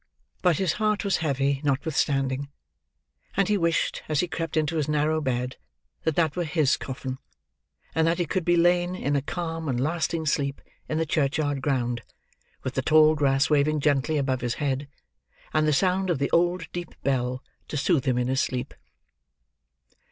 But his heart was heavy, notwithstanding; and he wished, as he crept into his narrow bed, that that were his coffin, and that he could be lain in a calm and lasting sleep in the churchyard ground, with the tall grass waving gently above his head, and the sound of the old deep bell to soothe him in his sleep.